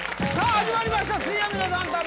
始まりました「水曜日のダウンタウン」